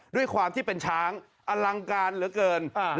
ด้วยความที่เป็นช้างอลังการเหลือเกิน